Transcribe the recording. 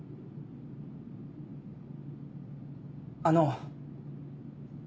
あの。